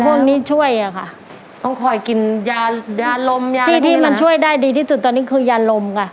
พวกนี้ช่วยอะค่ะต้องคอยกินยายาลมยาที่ที่มันช่วยได้ดีที่สุดตอนนี้คือยาลมค่ะ